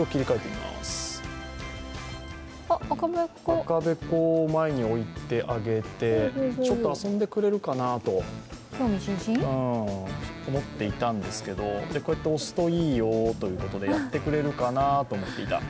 赤べこを前に置いてあげてちょっと遊んでくれるかなと思っていたんですけどこうやって押すといいよということで、やってくれるかなと思っていたら